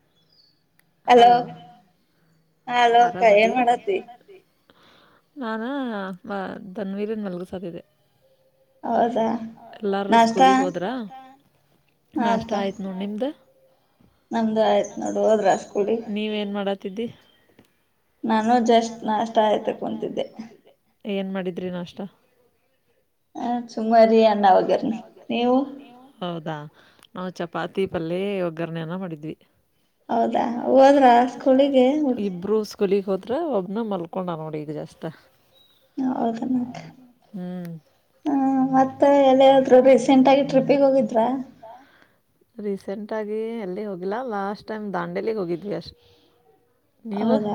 [inaudible] hello ಹ hello ಅಕ್ಕ ಏನ್ ಮಾಡತಿ ನಾನಾ ತನ್ವೀರನ್ ಮಲಗು ಸಾದ ಇತೆ ಹೌದು ಎಲ್ಲಾರೂ ಸ್ಕೂಲಗ್ ಹೋದ್ರ ನಾಷ್ಟ ಆಯ್ತ್ ನೋ ನಿಮ್ದ ನೀವೇನ್ ಮಾಡತಿದ್ದಿ ನಾನು ಜಸ್ಟ್ ನಾಷ್ಟ ಆಯ್ತ ಕುಂತಿದ್ದೆ ಏನು ಮಾಡಿದ್ರಿ ನಾಷ್ಟ ಹ ಸುಮ್ಮಾರಿ ಅನ್ನ ನೀವು ಹೌದಾ ನಾವು ಚಪಾತಿ ಪಲ್ಲಯ ಒಗ್ಗರಣೆನ ಮಾಡಿದ್ವಿ ಹೌದಾ ಹೋದ್ರ ಸ್ಕೂಲಿಗೆ ಒಬ್ನ ಮಲ್ಕೊಂಡ ನೋಡಿ ಈಗ ಜಾಸ್ ಹ್ಮ ಹ್ಮ ಮತ್ತೆ ಎಲ್ಲಿಯ್ರು ರೀಸೆಂಟ್ ಆಗಿ ಟ್ರಿಪ್ಪಿಗೆ ಹೋಗಿದ್ರ ರೀಸೆಂಟ್ ಆಗಿ ಎಲ್ಲಿ ಹೋಗಿಲ್ಲ ಲಾಸ್ಟ್ ಟೈಮ್ ದಾಂಡೆಲಿಗ್ ಹೋಗಿದ್ವಿ ಅಷ್ಟ ಹೌದ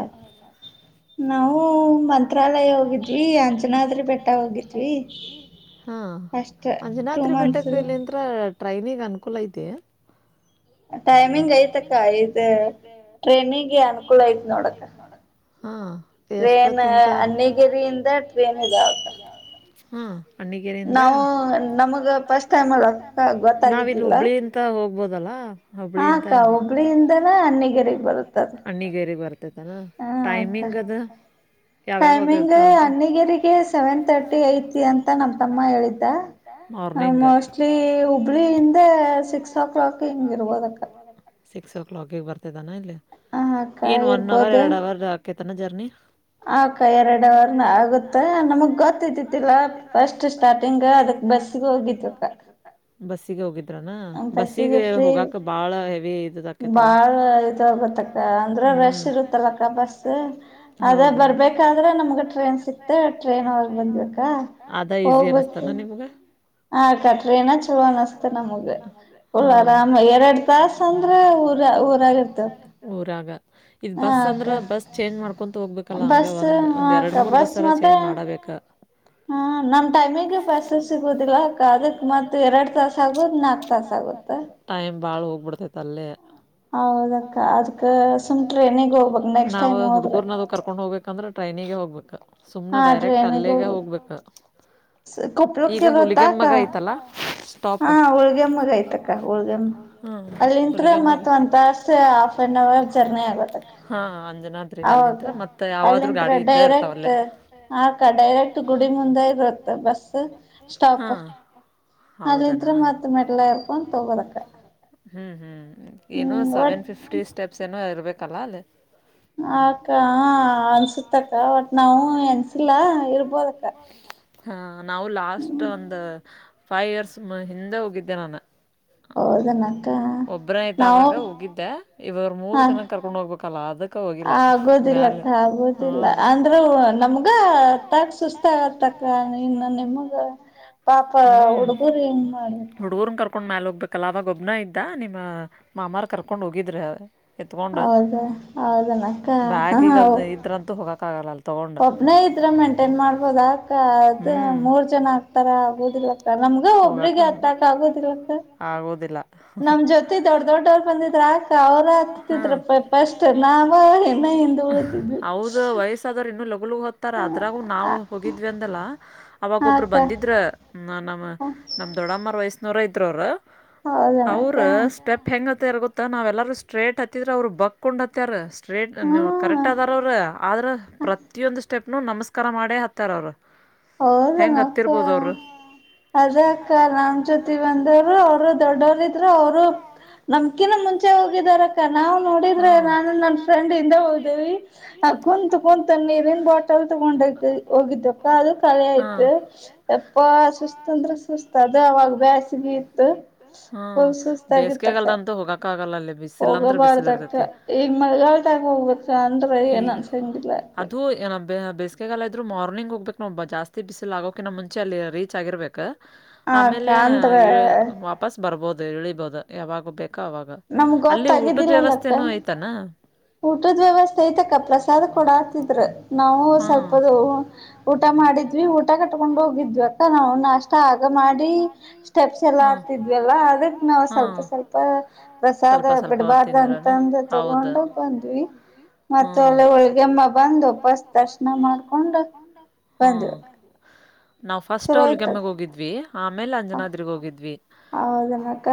ನಾವು ಮಂತ್ರಾಲಯ ಹೋಗಿದ್ವಿ ಅಂಜನಾದಿ ಬೆಟ್ಟ ಹೋಗಿದ್ವಿ ಅಂಜನಾದ್ರಿ ಬೆಟ್ಟಕ್ ಇಲ್ಲಿಂತ್ರ ಟ್ರೈನಿಗೆ ಅನುಕೂಲ ಇದೆ ಟೈಮಿಂಗ್ ಐತಕ್ಕ ಇ ಟ್ರೈನಿಗೆ ಅನುಕೂಲ ಐ್ತ್ ನೋಡ ಹಾ ಟ್ರೇನ್ ಅನ್ನಗರಿಯಿಂದ ಟ್ರೇನ್ ಇದಾವಾಗ ಹಾ ಹ್ಣಿಗೆರಿಿಂದ ನಾವ ಹುಬ್ಬಳಿ ಹೋಗಬಹುದು ಲ್ಲಾ ಆಕ್ಕ ಹುಬ್ಳಿಯಿಂದನ ಅನ್ನಗರಿಗ್ ಬರುತ್ತದೆ ಟೈಮಿಂಗ್ ಅದು ಟೈಮಿಂಗ್ ಅನ್ನಗರಿಗೆ ಸೆವೆನ್ ತರ್ಟಿ ಐತಿ ಅಂತ ನಮ್ಮ ತಮ್ಮ ಹೇಳಿದ್ದ ಹ ಮೋಸ್ಟ್ಲಿ ಹುಬ್ಳಿ ಹಿಂದೆ ಸಿಕ್ಸ್ ಓ ಕ್ಲಾಕ್ ಹಿಂಗ ಇರ್ಬೋದಕ್ಕ ಸಿಕ್ಸ್ ಓ ಕ್ಲಾಕ ಗೆ ಬರ್ತದಾನ ಇಲ್ಲಿ ಏನ್ ಒನ್ ಅವರ್ ಎರಡು ಅವರ್ ಆಕೇತಾನ ಜರ್ನಿ ಆಕ ಎರಡವರ್ನ ಆಗುತ್ತ ನಮಗ್ ಗೊತ್ತತಿತಿಲ್ ಫಸ್ಟ್ ಸ್ಟಾರ್ಟಿಂಗ್ ಅದ ಅದ ಬಸ್ ಹೋಗಿ ಬಸ್ ಅಂತಸಿಗೆ ಫ್ರೀ ಬಾಳ ಇದ ಗತ್ತಕ್ಕ ಅಂದ್ರೆ ರಶ್ ಇರುತ್ತಲ್ಲಕ್ಕ ಬಸ್ ಅ ಬರ್ಬೇಕಾದ್ರೆ ನಮ್ಗ ಟ್ರೈನ್ ಸಿಕ್ತೆ ಟ್ರೇನ್ ಅವ ಬಂದ್ಬೇಕಾ ಹೋಗ್ಬೇಕು ಹ ಕಟ್ರನ ಚಲೋ ಅನಸ್ತ ನಮಗಳ ಆರಾಮ ಎರಡ್ ತಾಸ ಅಂದ್ರೆ ಊರ ಊರಾಗಿರ್ತ ಬಸ್ ಅಂದ್ರ ಬಸ್ ಚೇಂಜ್ ಮಾಡ್ಕೊಂತು ಹೋಗ್ಬೇಕು ಹಾಕಲ್ಲ ಹಂಗಗೆ ಒಂದು ಒಂದ ಎರಡು ಮೂರು ಬಸ್ಸರ ಚೇಂಜ್ ಮಾಡಬೇಕಾ ಹ್ಮ ಹ ನಮ್ಮ ಟೈಮಿಿಗೆ ಬಸ್ ಸಿಗೋುದಿಲ್ಲ ಅದಕ್ಕೆ ಮತ್ತ ಎರಡು ತಾಸ ಆಗೋದು ನಾಲ್ಕು ತಾಸ ಆಗುತ್ತೆ ಟೈಮ್ ಬಾಳ್ ಹೋಗ್ಬಿಡ್ತೈತ್ ಅಲ್ಲೇ ಹೌದಕ್ಕ ಅದಕ್ ಸುಮ್ ಟ್ರೈನಿಿಗೆ ಹೋಗ್ಬಕ್ ನೆಕ್ಸ್ಟ್ ಟೈಮ್ ಹೋದ್ರೆ ಹೋಗ್ಬೇಕಂದ್ರೆ ಟ್ರೈನಿಗೆ ಹೋಗ್ಬೇಕು ಸುಮ್ನೆ ಡೈರೆಕ್ಟ್ ಅಲ್ಲಿಗೆ ಹೋಗ್ಬೇಕು ಕೊಪಲಕರತಾ ಕ ಹಾ ಹೋಳ್ಗೆಮ್ಮಗ ಆಯ್ತಕ್ಕ ಹುಳ್ಗಮ್ಮ ಅಲ್ಲಿಂ ಮತ್ ಒಂದ್ ತರ್ಸೆ ಹಾಫ್ ಆನ್ ಅವರ್ ಜರ್ನಿ ಆಗತ್ತಕ್ಕ ಅಂಜನಾದ್ರಿ ಅಲ್ಲಿಂದ ಅಲ್ಲಿಂತತ್ರ ಡೈರೆಕ್ಟ್ ಆಕ ಡೈರೆಕ್ಟ್ ಗುಡಿ ಮುಂದೆ ಬರುತ್ತೆ ಬಸ್ ಸ್ಟಾಪ್ ಅಲ್ಲಿದ್ರ ಮತ್ ಮೆಟ್ಲ ಇರ್ಕ ಅಂತ ತಗೋದಕ್ಕ ಹ್ಮ್ ಹ್ಮ್ ಏನೋ ಸೆವೆನ್ ಫಿಫ್ಟಿ ಸ್ಟೆಪ್ಸ್ ಏನೋ ಇರ್ಬೇಕಲ್ಲ ಅಲ್ಲಿ ಅಕ್ಕ ಅನ್ಸತ್ತಕ್ಕ ಬಟ್ ನಾವು ಎನ್ಸಿಲ್ಲ ಇರ್ಬೋದಕ್ಕ ಹಾ ನಾವು ಲಾಸ್ಟ್ ಒಂದು ಫೈವ್ ಇಯರ್ಸ್ ಹಿಂದೆ ಹೋಗಿದ್ದೆ ನಾನು ಅವದನ್ನ ಒಬ್ರ ಆಯ್ತ ಅವಾಗ ಹೋಗಿದ್ದೆ ಇವಾಗ ಮೂರ್ ಜನ ಕರ್ಕೊಂಡ್ ಹೋಗ್ಬೇಕಲ್ಲ ಅದಕ್ಕ ಹೋಗಿಲ್ಲ ುದಿಲ್ಲ ಆಗೋುದಿಲ್ಲ ಅಂದ್ರೂ ನಮ್ಗ ತಕ್ ಸುಸ್ತ ಆಗತಕ್ಕ ಇನ ಹ್ಮ್ ಹಡು ಊರು ಕ ಕರ್ಕೊಂಡ್ ಮ್ಯಾಲ ಹೋಗ್ಬೇಕಲ್ಲ ಅವಾಗ ಗ ಒಬ್ಬನ ಇದ್ದ ನಿಮ್ಮ ಮಾಮಾರ್ ಕರ್ಕೊಂಡ್ ಹೋಗಿದ್ರೆ ಎತ್ಕೊಂಡ್ ಬ್ಯಾಗ ಈಗದ ಇದ್ರಂತೂ ಹೋಗಕ ಆಗಲ್ಲ ಒಬ್ನ ಇದ್ರ ಮೇಂಟೈನ್ ಮಾಡ್ಬೋದ ಅದ ಮೂರ್ ಜನ ಆಗ್ತಾರ ಆಗ್ೋದಿಲ್ಲ ನಮ್ಗ ಒಬ್ರಿಗೆ ಹತ್ತಾಕ್ ಆಗದಿಲ್ಲಕ್ಕ ನಮ್ ಜೊತಿದ್ದವ್ರ ದೊಡ್ಡವರು ಬಂದಿದ್ರ ಆಕ ಅವ್ರ ಹತ್ತತಿದ್ರ ಪಸ್ಟ್ ನಾವ ಂದು ಉಳತಿದ್ದ್ ಹ ಹ್ತಾರ ಅದ್ರಾಗು ನಾವವು ಹೋಗಿದ್ವಿ ಅಂದಲ್ಲ ಅವವಾಗ ಒಬ್ರು ಬಂದಿದ್ರ ನಮ್ಮ ನಮ್ ದೊಡ್ಡಮ್ಮರ್ ವಯಸ್ಸನೂರ ಇದ್ವರು ಅವ್ರ ಸ್ಟೆಪ್ ಹೆಂಗ ರಗುತ್ತ ನಾವೆಲ್ಲರೂ ಸ್ಟ್ರೇಟ್ ಹತ್ತಿದ್ರ ಅವ್ರು ಬಕ್ಕೊಂಡ್ ಹತ್ತಾರ ಸ್ಟ್ರೇಟ್ ಕರೆಕ್ಟ್ ಆದಾರ ಅವರು ಆದ ಪ್ರತಿಯೊಂದು ಸ್ಟೆಪ್ನುೂ ನಮಸ್ಕಾರ ಮಾಡೇ ಹತ್ತಾರ ಅವರು ಹೌದಂಗ ಅಕ್ಕಾ ಅದ ಅಕ್ಕ ರಾಮ್ ಜ್ಯೋತಿ ಬಂದವರು ಅವರು ದೊಡ್ಡವರ ಇದ್ರು ಅವರು ನಮ್ಕಿನ ಮುಂಚೆ ಹೋಗಿದಾರಕ್ಕ ನಾವು ನೋಡಿದ್ರೆ ನಾನು ನನ್ ಫ್ರೆಂಡ್ ಹಿಂದೆ ಹೋಗ್ದೇವಿ ಕುತ್ ಕುಂತ ನೀರ ನ್ ಬಾಟಲ್ ತಗೊಂಡ ಹೋಗಿದ್ದಕ್ಕ ಅ ತಳ ಆಯ್ತು ಎಪ್ಪಾ ಸುಸ್ತ ಅಂದ್ರೆ ಸುಸ್ತ ಅದ ಅವಾಗ ಬೇಾಸಿಗೆಿ ಇತ್ತು ಹ್ಮ ಬೇಸಿಗೆಗಲ್ದಂತು ಹೋಗಕ ಹೋಗಬಾರ್ದ ಆಗ್ತ ಈಗ ಮಳಗಾಲ್ಟಗ ಹೋಗತ್ತ ಅಂದ್ರ ಏನ್ ಅನ್ಸಂಗಿಲ್ಲ ಅದುಏನ ಬ ಬೇಸಿಗೆಗಾಲ ಇದ್ರು ಮಾರ್ನಿಂಗ್ ಹ್ಬೇಕ ನಾ ಜಾಸ್ತಿ ಬಿಸಿಲು ಆಗೋಕ ನ ಮುಂಚೆ ಅಲ್ಲಿ ರೀಚ್ ಆಗಿರ್ಬೇಕು ಆಮೇಲೆ ವಾಪಸ್ ಬರ್ಬೋದು ಇಳಿಬೋದು ಯಾವಾಗ ಬೇಕ ಅವಾಗ ಅಲ್ಲಿ ಊಟದ್ ವ್ಯವಸ್ಥೆನ ಆಐ್ತಾನ ಊಟದ ವ್ಯವಸ್ಥೆ ಐತಕ್ಕ ಪ್ರಸಾದ ಕೊಡತಿದ್ರ ನಾವು ಸ್ವಲ್ಪದು ಊಟ ಮಾಡ ಮಾಡಿದ್ವಿ ಊಟ ಕಟ್ಕೊಂಡ್ ಹೋಗಿದ್ವಿಕ್ಕ ನಾವು ನಾಷ್ಟ ಆಗ ಮಾಡಿ ಸ್ಟೆಪ್ಸ್ ಎಲ್ಲಾ ಹತಿದ್ವಿ ಅಲ್ಲ ಅದಕ್ ನಾ್ ಸ್ವಲ್ಪ ಸ್ವಲ್ಪ ಪ್ರಸಾಾದ ಬಡಬಾರ ದ ತಂದ ತಗೊಂಡೊಂಡ ಬಂದವಿ ಬ ನಾವವು ಫಸ್ಟ್ ಅವಲ್ಿಗೆಮ್ಮಗ್ ಹೋಗಿದ್ವಿ ಆಮೇಲೆ ಅಂಜನಾದ್ರಗ್ ಹೋಗಿದ್ವಿ ಹೌದನಕ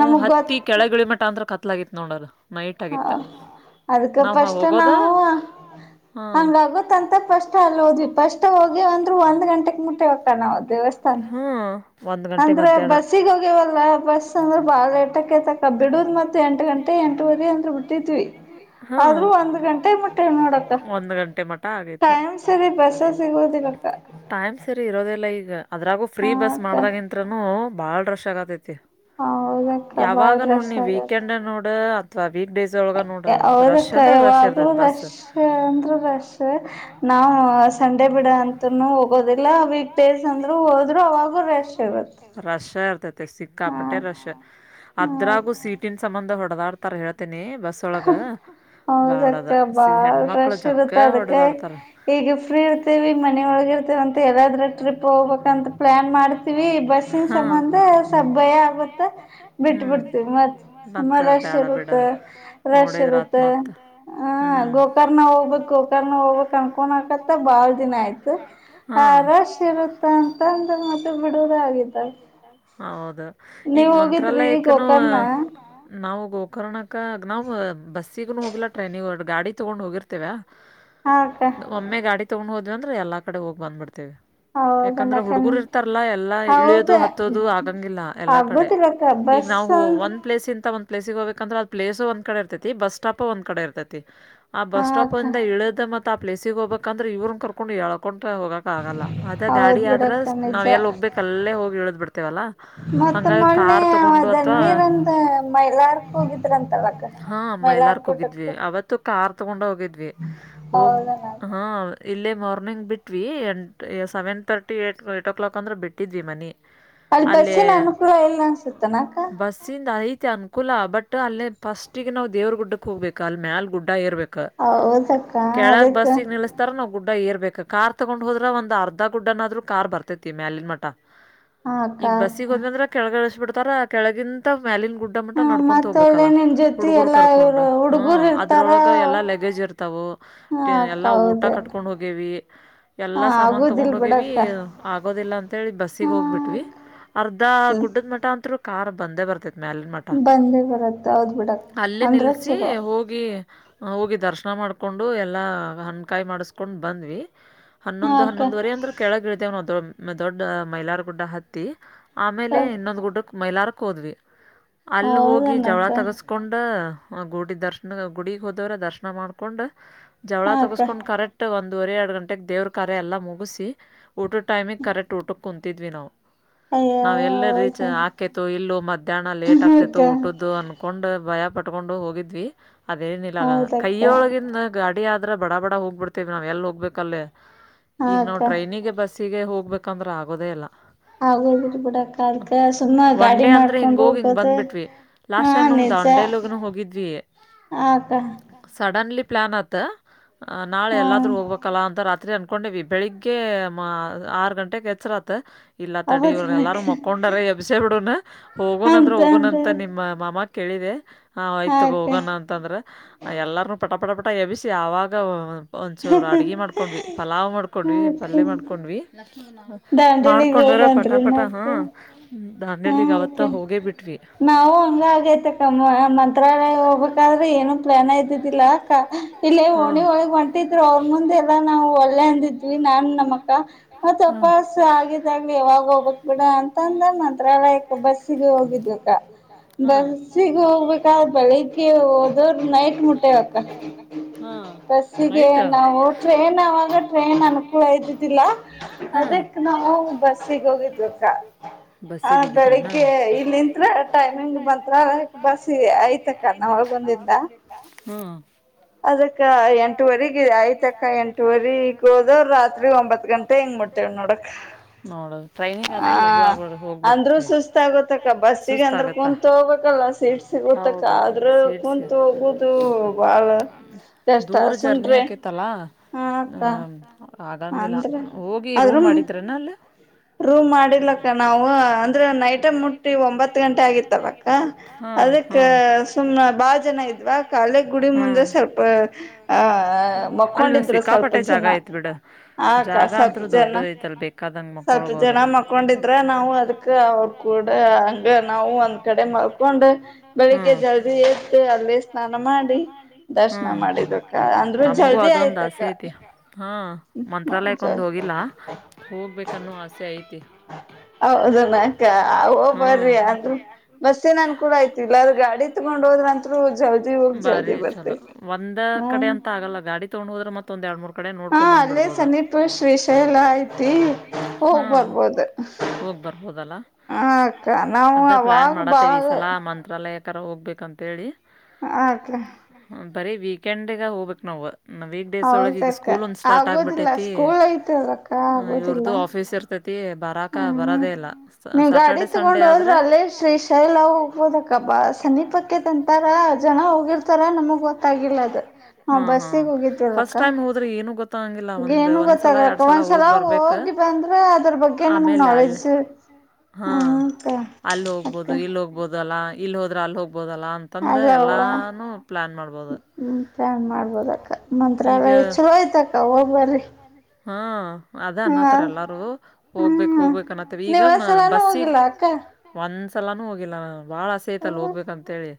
ನಮಗ್ ಕೆಳ ಗಿಳಮಠ ಅಂತತ್ರ ಕತ್ಲಾಗಿ ನೋಡೋರು ನೈಟ್ ಆಗಿತ್ತ ನಾವ್ ಹೋಗೋದ ಹ ಹಂಗಗತ್ಂತ ಸ್ ಅಲ್ಲಿ ಹೋಗಿ ಸ್ ಹೋಗ್ಯ ಅಂದ್ರರು ಒಂದ್ ಗಂಟೆಗೆ ಮುಟ್ಟೆವತ ನಾವು ಹಾ ಅಂದ್ರೆ ಬಸ್ಸಗ ಹೋಗ್ಯವಲ್ಲ ಬಸ್ ಅಂದ್ರೆ ಬಾಳ ೇಟಕ್ ಬಿಡುದ್ ಮ ಎಂಟು ಗಂಟೆ ಎಂಟುವರೆ ಅಂದ್ರ ಬಿಟ್ಟಿದ್ವಿ ಆದ್ರೂ ಒಂದ್ ಗಂಟೆ ಮುಟ್ಟೆಂ ನೋಡಕ್ಕ ಟೈಮ್ ಸರಿ ಬಸ ಸಿಗೋುದಿಲ್ಲಕ್ಕ ಟೈಮ್ ಸರಿ ಇರೋದಿಲ್ಲ ಈಗ ಅದ್ರಾಗು ಫ್ರೀ ಬಸ್ ಮಾಡ್ದಾಗಿ ಇಂಂತನು ಬಾಳ ರಶ್ ಆಗತ್ತೈತಿ ಹ ಹೌದ ಯಾವಾಗ ನೋಡ್ ನೀ ವೀಕೆಂಡ್ ನೋಡ್ ಅಥವಾ ಅವದಕ್ಕೆ ಯಾವಾಗ್ಲೂ ರಶ್ ಅಂದ್ರರು ರಶ ನಾವು ಸಂಡೆ ಬಿಡ ಅಂತ ಹೋಗೋದಿಲ್ಲ ಅವೀಕ್ ಪಲೇಸ್ ಅಂದ್ರು ಹೋದ್ರು ಅವವಾಗೂ ರೆಸ್ಟ್ ರಶ ಇರ್ತೈತಿ ಸಿಕ್ಕಾಪಟ್ಟೆ ರಶ ಅದ್ರಾಗು ಸೀಟಿನ ಸಂಬಂಧ ಹೊಡ ಪಡದಾಡ್ತಾರ ಹೇಳ್ತೇನಿ ಬಸ್ ಒಳಗ ಹೌದಕ್ಕ ಬಾಳ್ ರಶ್ ಇರುತ್ತ ಅದಕ ಈಗ ಫ್ರೀ ಇರ್ತೇವಿ ಮನ ಒಳಗಿರ್ತೇವಂತ ಯಾವಾದ್ರ ಟ್ರಿಪ್ ಹೋಗ್ಬೇಕಂತ ಪ್ಲಾನ್ ಮಾಡ ಬಸ್ಸಿನ ಸಂಬಂಧ ಸ ಭಯ ಆಗುತ್ತ ಬಿಟ್ ಬಿಡ್ತೀವಿ ಮತ್ ಸುಮಾರಷ್ಟ ರಶ್ ಇರುತ್ತೆ ರಶ್ ಇರುತ್ತೆ ಹ ಗೋಕರ್ಣ ಹೋಗ್ಬೇಕಕ್ ಗೋಕರ್ಣ ಹೋಗ್ಬಕ್ ಅನ್ಕೊಂಡಕತ್ತ ಬಾಳ ದಿನ ಆಯ್ತು ರಶ್ ಇರುತ್ತ ಅಂತಂದ್ರ ಮತ್ತೆ ಬಿಡೋುದ ಆಗಿದ ಹೌದ ಈಗ ಮಂತ್ರಾಲಯಕ್ಕನು ನಾವಗ ಹೋಗ ಕೊರೋಣಕ್ಕಗ ನಾವು ಬಸ್ಸಗನು ಹೋಗಿಲ್ಲ ಟ್ರೈನಿಗ ಗಾಡಿ ತೊಗೊಂಡು ಹೋಗಿರ್ತೇವ ಒಮ್ಮೆ ಗಾಡಿ ತಗೊಂಡ್ ಹೋದ್ವಿ ಅಂದ್ರೆ ಎಲ್ಲಾ ಕಡೆ ಹೋಗ್ ಬಂದ್ಬಿಡ್ತೇವಿ ಯಾಕಂದ್ರೆ ಹುಡುಗುರು ಇರ್ತಾರ ಎಲ್ಲಾ ಇಳಿಯೋದು ಹತ್ತೋದು ಆಗಂಗಿಲ್ಲ ಎಲ್ಲಾ ಕಡೆ ಈಗ ನಾವು ಒಂದ್ ಪ್ಲೇಸ್ ಇಂತ ಪ್ೇಸಿಗೆ ಹೋಗಬೇಕಂದ್ರ ಅ ಪ್ಲೇಸ ಒಂದ್ಡೆ ಇರ್ತತಿ ಬಸ್್ಟಾಪ ಒಂದ ಕಡೆ ಇರ್ತತಿ ಆ ಬಸ್ ಸ್ಟಾಪ್ ಇಂದ ಇಳ್ದ ಮತ್ತತ್ ಆ ಪ್ಲೇಸಿಗೆಗ್ ಹೋಗಬೇಕಂದ್ರೆ ಇವ್ರನ್ ಕರ್ಕೊಂಡು ಎಳ್ಕೊಂಡ್ ಹೋಗಕ್ ಆಗಲ್ಲ ಅದ ಗಾಡಿ ಆದ್ರ ಎಲ್ಲಿ ಹೋಗ್ಬೇಕ ಅಲ್ಲೇ ಹೋಗಿ ಇಳದ್ ಬಿಡ್ತೇವಲ್ಲ ಹಂಗ ಕಾರ್ ತಗೊಂಡು ಅಥವಾ ಹಾ ಅಮ್ಮ ಎಲ್ಲಾರ್ಕ್ಕ ಹೋಗಿದ್ವಿ ಅವತ್ತು ಕಾರ್ ತಗೊಂಡ ಹೋಗಿದ್ವಿ ಹೋಗ ಹಾ ಇಲ್ಲೇ morning between seven thirty ಏ ಏ್ಟಟ್ ಓ ಕ್ಲಾಕ್ ಅಂದ್ರೆ ಬಿಟ್ಟಿದ್ವಿ ಮನ ಅಲ್ಲಿೇ ಬಸ್ಸಿಂದಐ ಅನುಕೂಲ ಬಟ್ ಅಲ್ಲೇ ಫಸ್ಟ್ಗ ನಾವವು ದೇವ್ರ ಗುಡ್ಡಕ್ ಹೋಗಬೇಕು ಅಲ್ ಮೇಾಲಲ್ ಗುಡ್ಡ ಇರ್ಬೇಕು ಕೆಳಗ್ ಬಸ್ಸಿಗೆ ನಿಲ್ಲಸ್ತಾರ ನ ಗುಡ್ ಏರ್ಬೇಕಕ್ ಕಾರ್ ತಗೊಂಡ್ ಹೋದ್ರ ಒಂದ್ ಅರ್ಧ ಗುಡ್ಡನಾದ್ರು ಕಾರ್ ಬರ್ತೈತಿ ಮ್ಯಾಲಿನ ಮಠ ಈಗ ಬಸ್ಸಿಗೆ ಹೋದ್ ಅಂದ್ರೆ ಕೆಳಗ ಎಸ್ ಬಿಡ್ತಾರ ಕೆಳಗಿಂತ ಮ್ಯಾಲನ್ ಗುಡ್ಡ ಮಟ್ಟ ನಡ್ಕೊು ಹೋಗಬೇಕಲ್ಲ ಹುಡುಗರು ಕರ್ಕೊಂಡ್ ಹ್ಮ ಅದ್ರೊಳ ಎಲ್ಲಾ ಲಗೇಜ್ ಇರ್ತಾವ ಎಲ್ಲಾ ಊಟ ಕಟ್ಕೊಂಡ್ ಹೋಗೇವಿ ಎಲ್ಲಾ ಸಾಮಾನ ತಗೊಂಡ್ ಹೋಗೇವಿ ಆಗೋದಿಲ್ಲ ಅಂತೇಳಿ ಬಸ್ಸಿಗೆ ಹೋಗ್ಬಿಟ್ವಿ ಅರ್ಧ ಗುಡ್ಡದ ಮಠ ಅಂತರು ಕಾರ್ ಬಂದೇ ಬರ್ತೈತಿ ಮ್ಯಲ್ ಮಠ ಅಲ್ಲೇ ನಿಲ್ಸಿ ಹೋಗಿ ಹೋಗಿ ದರ್ಶನ ಮಾಡ್ಕೊಂಡು ಎಲ್ಲ ಹನ್ಕಾಯಿ ಮಾಡಿಸ್ಕೊಂಡು ಬಂದ್ವಿ ಹನ್ನೊಂದು ಹನ್ನೊಂದುವರೆ ಅಂದ್ರ ಕೆಳಗ ಇಳತೇವ್ ನಾವು ದೊಡ್ ದೊಡ್ಡ ಮೈಲಾರ ಗುಡ್ಡ ಹತ್ತಿ ಆಮೇಲೆ ಇನ್ನೊಂದು ಗುಡ್ಡಕ್ಕೆ ಮೈಲಾರಕ್ಕೆ ಹೋದ್ವಿ ಅಲ್ಲಿ ಹೋಗಿ ಜವಳ ತಗಸ್ಕೊಂಡು ಗುಡಿ ದರ್ಶನ ಗುಡಿಗೆ ಹೋದವ್ರೆ ದರ್ಶನ ಮಾಡ್ಕೊಂಡು ಜವಳ ತಗಸ್ಕೊಂಡ್ ಕರೆಕ್ಟ್ ಒಂದ ೂರೆ ಎರಡು ಗಂಟೆಗೆ ದೇವ್ರ ಕಾರಾರೆ ಎಲ್ಲ ಮುಗಿಸಿ ಊಟ ಟೈಮಿಗೆ ಕರೆಕ್ಟ್ ಊಟಕ್ಕೆ ಕುೂಂತಿದ್ವಿ ನಾವು ಹ ನಾವ್ ಎಲ್ಲ ರೀಚ್ ಆಾಕೇತ ಇಲ್ಲೂ ಮಧ್ಯಾಹ್ನ ಲೇಟ್ ಆಗ್ತೇತ ಊಟದ್ದು ಅನ್ಕೊಂಡು ಭಯ ಪಟ್ಕೊಂಡು ಹೋಗಿದ್ವಿ ಅದೇನಿಲ್ಲ ಕೈಯೊಳಗ ಗಾಡಿ ಆದ ್ರ ಬಡ ಬಡ ಹೋಗ್ ಬಿಡ್ತೇವಿ ನಾವ್ ಎಲ್ಲಿ ಹೋಗಬೇಕಲ್ಲಿೇ ಈಗ ನಾವು ಟ್ರೈನಿಗೆ ಬಸ್ ಹೀಗೆ ಹೋಗ್ಬೇಕಂದ್ರೆ ಆಗೋದೇ ಇಲ್ಲ ಒನ್ ಡೇ ಅಂದ್ರೆ ಹಿಂಗ ಹೋಗಿ ಹಿಂಗ್ ಬಂದ್ಬಿಟ್ವಿ ಲಾಸ್ಟ್ ಟೈಮ್ ದಾಂಡೆಲಗ ಹೋಗಿದ್ವಿ ಸಡನ್ಲಿ ಪ್ಲ್ಯಾನ್ ಆತ್ತ ನಾಳೆ ಎಲ್ಲಾದ್ರೂ ಹೋಗ್ಬೇಕಲ್ಲ ಅಂತ ರಾತ್ರಿ ಅನ್ಕೊಂಡಿವವಿ ಬೆಳಿಗ್ಗೆ ಆರು ಗಂಟೆಗೆಗೆ ಹೆಚ್ಚರಾತ್ ಇಲ್ಲ ತಡಿ ಇವ್ರ ಎಲ್ಲಾರೂ ಮಕ್ಕೊಂಡರ ಎಬ್ಸೆ ಬಿಡನ ಹೋಗುಣ ಅಂದ್ರ ಹೋಗೋನಂತ ನಿಮ್ಮ ಮಾಮ ಕೇಳಿದೆ ಆ ಆಯ್ತ್ ತಗೋ ಹೋಗೋಣ ಅಂತಂದ್ರ ಎಲ್ಲಾರ್ನುೂ ಪಟ ಪಟ ಪ ಎಬಿಸಿ ಆವಾಗ ಒಂದಸೂರು ಅಡ್ಗೆ ಮಾಡ್ಕೊಂಡ್ವಿ ಪಲಾವ್ ಮಾಡ್ಕೊಂಡ್ವಿ ಪಲ್ಯ ಮಾಡ್ಕೊಂಡ್ ಮಾಡ್ಕೊಂಡ್ರ ಪಟಾಪಟ ಹಾ ದಾಂಡೇಲಿಗ್ ಅವತ್ತ ಹೋಗೇ ಬಿಟ್ಟ ನಾವು ಹಂಗ ಆಗೈತಕ್ಕಮ್ಮ ಮಂತ್ರಾಲಯ ಹೋಗ್ಬೇಕಾದ್ರೆ ಏನು ಪ್ಲಾನ್ ಆಯತಿದ್ದಿಲ್ಲ ಇಲ್ಲ ಒಣಿ ಒಳಿ ಹೊಂಟಿದ್ರು ಅವ್ರ ಮುಂದೆ ಎಲ್ಲಾ ನಾವು ಒಳ್ಳೆ ಅಂದಿದ್ವಿ ನಾನ್ ನಮ್ಮ ಅಕ್ಕ ಮತ್ ಉಪಾಸ ಆಗಿದಾಗ್ಲಿ ಯಾವಾಗ ಹೋಗಬತ್ ಬಿಡ ಅಂತ ಅಂದ ಮ ಬಸ್ಸಿಗೆ ಹೋಗಿದ್ವಿ ಅಕ್ಕ ಬಸ್ಸಿಗೆ ಹೋಗ್ಬೇಕಾದ ಬೆಳಿಗ್ಗೆ ಹೋದ ನೈಟ್ ಮುಟ್ಟೆಕ ಬಸ್ಿಗೆ ನಾವು ಟ್ರೈನ್ ಆಗ ಟ್ರೈನ್ ಮಕ್ಕಳು ಇದಐ್ದಿದ್ದಿಲ್ಲ ಅದಕ್ ನಾವು ಬಸ್ಸಿಗೆ ಹೋಗಿದ್ವಕ್ಕ ಹ ಬೆಳಿಗ್ಗೆ ಇಲ್ಲಿಂತ್ತ್ರ ಟೈಮಿಂಗ್ ಬತ್ರ ಬಸ್ ಐತೆ ಅಕ್ಕ ಒಳ ಬಂದಿದ [inaudible] ಹ್ಮ ಅದಕ್ಕ ಎಂಟುವರೆಗ ಆಯ್ತಕ್ಕ ಎಂಟುವರೆಗ ಹೋದವರು ರಾತ್ರಿ ಒಂಬತ್ ಗಂಟೆ ಹೆಂಗ್ ಮಾಡಡ್ತೇವ ನೋಡಕ್ ಹ [unintelligible] ಅಂದ್ರೂ ಸುಸ್ತ ಆಗತಕ್ಕ ಬಸ್ಸಿಗೆ ಅಂದ್ರ ಕುೂತ್ ಹೋಗ್ಬೇಕಲ್ಲ ಸೀಟ್ ಸಿಗತಕ್ಕ ಆದ್ರ ಕುಂತು ಕುಂತು ಬಾಳ ಎಷ್ಟ ಸುಂಡ್ರಿ ಹ ಅಕ್ಕ ಅಂದ್ರೆ ಅದ್ರೂ [inaudible] ರೂಮ್ ಮಾಡಿಲ್ಲ ನಾವು ಅಂದ್ರೆ ನೈಟ ಮುಟ್ಟಿ ಒಂಬತ್ ಗಂಟೆ ಆಗಿತ್ತವ ಅದಕ್ಕೆ ಸು ಬಾಳ ಜನ ಇದ್ವಾ ಕಾಲಿ ಗುಡಿ ಮುಂದೆ ಸ್ವಲ್ಪ ಆಹ ಮಕ್ಕೊಂಡಿದ್ರರು ಸ್ವಲ್ಪ ಜಾಗ ಆಯತ್ ಬಿಡ ಜಾಗ ಅಂತೂ ದೊಡ್ಡದಐತಲ್ ಬೇಕಾದಂಗ ಮಕ್ಕೊಳ್ಬೋದು ಿದ್ರ ನಾವು ಅದಕ್ಕೆ ಅವ ಕೂಡ ಹಂಗ ನಾವು ಒಂದ್ ಕಡೆ ಮಕೊಂಡ ಹ [unintelligible] ಹ್ಮ್ ನಮಗೂ ಅದೊಂದ ಆಸೆ ಐತಿ ಹಾ ಮಂತ್ರಾಲಯಕ್ಕೆೊಂದು ಹೋಗಿಲ್ಲ ಹೋಗ್ಬೇಕನ್ನೋ ಆಸೆ ಐತಿ [unintelligible] ಹೌದನ ಅಕ್ಕಓ ಬರ್ರಿ ಅ ಬಸ್ಸೇ ನನ್ ಕೂಡ ಆಯ್ತು ಇಲ್ಲ ಅ್ರ ಗಾಡಿ ತಗೊಂಡ ಹೋಗ [inaudible] ಬಾರಿ ಚಲೋ ಒಂದ ಕಡೆ ಅಂತ ಆಗಲ್ಲ ಗಾಡಿ ತೊಗೊಂಡ್ ಹೋದ್ರೆ ಮತ್ತ ಒಂದ್ ಎರಡ್ ಮೂೂರು ಕಡೆ ನೋಡ್ಕೊಂಡ್ ಬಂದ್ಬಿಡ್ಬೋದು [inaudible] ಹಾ ಹೋಗ್ ಬರ್ಬೋದಲ್ಲ ಅ ಅಕ್ಕ ನಾವು ಆವಾಗ ಬಾಗ ಕರ ಹೋಗ್ಬೇಕಂತೇಳಿ ಆ ಅಕ್ಕ ಬರೀ ವೀಕೆಂಡ್ಗ ಹೋಗ್ಬೇಕಕ್ ನಾವು ನ ವೀಕ್ ಡೇಸ್ ಒಳಗೆ ಈಗ ಸ್ಕೂಲ್ ಒಂದು ಸ್ಟಾರ್ಟ್ ಆಗ್ಬಿಟ್ಟೈತಿ [inaudible] ಇವ್ರದದುು ಆಫೀಸ ಇರ್ [unintelligible] ಹ್ಮ್ ನೀವ್ ಗಾಡಿ ತಗೊಂಡ್ ಹೋದ್ರೆ ಅಲ್ಲೇ ಶ್ರೀ ಶೈಲ ಹೋಗ್ಬೋದಕ್ಕ ಬಾ ಅನಿ ಪಕ್ಕೆ ತಂತಾರ ಜನ ಹೋಗಿರ್ತಾರ ನಮಗ್ ಗೊತ್ತಾಗಿಿಲ್ಲ ಅದು ನಾ ಬಸ್ಸಿಗೆ ಹೋಗಿದ್ವಲ್ಲ ಏನು ಗೊತ್ತಾಗಲಕ್ಕ ಒಂದ್ಸಲ ಹೋಗಿ ಬಂದ್ರೆ ಅದ್ರ ಬಗ್ಗೆ ಆಮೇಲೆ ಅಲ್ಲಿ ಹಾ ಅಲ್ಲಿ ಹೋಗ್ಬಹದು ಇಲ್ಲಿ ಹೋಗ್ಬಹದು ಅಲ್ಲ ಇಲ್ಲಿ ಹೋದ್ರೆ ಅಲ್ಲಿ ಹೋಗ್ಬೋದಲ್ಲ ಅಂತಂದು ಎಲ್ಲಾನು ಪ್ಲ್ಾನ್ ಮಾಡ್ಬೋದು ನ್ ಮಾಡ್ಬೋದಕ್ಕ ಮಂತ್ರಾಲಯ ಹೆ ಚಲ ಆಯ್ತಕ್ಕ ಹೋಗ್ಬರ್ರಿ ಹಾ ಅದ ಅನ್ನತ್ತಾರ ಎಲ್ಲಾರು ಹೋಗ್ಬೇಕಕ್ ಹೋಗ್ಬೇಕಕ್ ಅನ್ನತ್ತವ ಈಗ ಬಸ್ಸಿಿಗೆ ಒಂದ್ಸಲಾನು ಹೋಗಿಲ್ಲ ನಾನು ಬಾಳ ಆಸೆ ಐತಲ್ಲ ಹೋಗ್ಬೇಕಂತೇಳಿ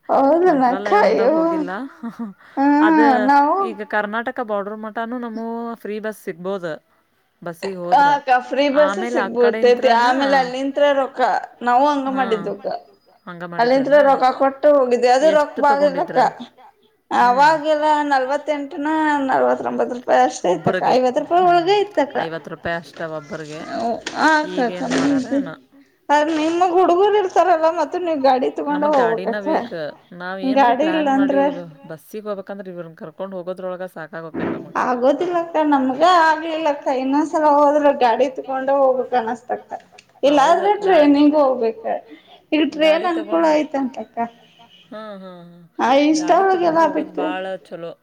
ಮಂತ್ರಾಲಯ ಒಂದಾಗ ಹೋಗಿಲ್ಲ ಅದ ಈಗ ಕರ್ನಾಟಕ ಬಾರ್ಡರ್ ಮಟಾನೂ ನಮ ಫ್ರೀ ಬಸ್ ಸಿಗ್ಬೋದು ಹ ಅಕ್ಕ ಬಸ್ಸ ಸಿಗ್ಬೋತ್ೈತಿ ಆಮೇಲೆ ಅಲ್ಲಿಂತ್ರ ರೊಕ್ಕ ನಾವು ಹಂಗ ಮಾಡವಿ [unintelligible] ಅಲ್ಲಿಂತ ರೊಕ್ಕ ಕೊಟ್ಟು ಹೋಗಿದ್ದವಿ ಅದು ರೊಕ್ಕ ಬಾಗಲಕ್ಕ ಅವಾಗೆಲ್ಲ ನಲ್ವತ್ತೆಂಟನ ನಲ್ವತ್ತೊಂಬತ್ ರೂಪಾಯಿ ಅಷ್ಟೇ ಇತಕ್ಕ ಐವತ್ ರೂಪಾಯಿ ಒಳಗ ಇತಕ್ಕ ಅಷ್ಟವ ಒಬ್ಬರಿಗೆ ಈಗೇನು ಮಾಡಾರೆನು ಅದ ನಿಮ ಹುಡುಗರು ಇರ್ತಾರಲ್ಲ ಮತ್ತೆ ನಮಗ್ ಗಾಡಿನ ಬೇಕು ನಾವ್ ಏನೀ ಪ್ಲಾನ್ ಮಾಡಿ ಬಸ್ಸಿಗೆ ಹೋಗ ಇ ಕರ್ಕೊಂಡ್ ಹೋಗದ್ರೊಳಗೆ ಆಗೋದಿಲ್ಲಕ್ಕ ನಮ್ಗ ಆಗ್ಲಿಲ್ಲಕ್ಕ ಇನ್ನೊಂದ್ಸಲ ಹೋದ್ರ ಗಾಡಿ ತಕೊಂಡು ಹೋಗ ಅತ ಇಲ್ಲಾದ್ರೆ ಟ್ರೈನಿಿಗೆ ಹೋಗ್ಬೇಕ ಈಗ ಟ್ರೇನ್ ಅನ್ಕೂಳ ಆಯ್ತಂತ ಹಾ ಹಾ ಹಾ ಗಾಡಿ ತಗೊಂಡು ಹೋಗೋದು ಬಾಳ ಚಲೋ